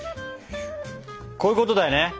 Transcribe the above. こういうことだよね？